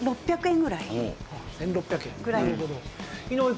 ２０００円ぐらい。